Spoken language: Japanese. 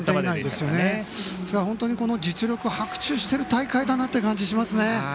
ですから本当に実力が伯仲している大会だなという感じがします。